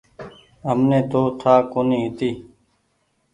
همني تو ٺآ ڪونيٚ هيتي۔